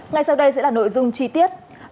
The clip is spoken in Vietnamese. ngay sau đây sẽ là nội dung chi tiết